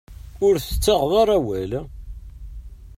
Ur tettaɣeḍ ara awal.